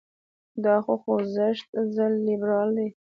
دا خوځښت ضد لیبرال دی.